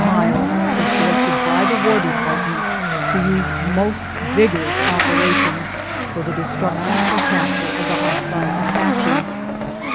Miles was directed by the War Department to use most vigorous operations for the destruc tion or capture of the hostile Apaches.